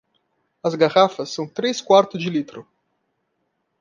As garrafas são três quartos de litro.